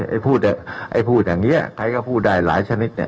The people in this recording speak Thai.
ไอพูดแบบนี้ละไอพูดอย่างเงี้ยใครก็พูดได้หลายชนิดเนี่ย